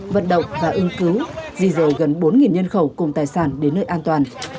vận động và ứng cứu di rời gần bốn nhân khẩu cùng tài sản đến nơi an toàn